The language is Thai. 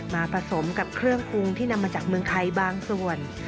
ผสมกับเครื่องปรุงที่นำมาจากเมืองไทยบางส่วน